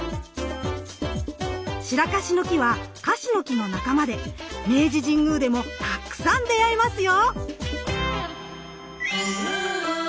シラカシの木はカシの木の仲間で明治神宮でもたくさん出会えますよ。